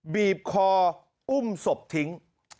บีบคออุ้มศพทิ้ง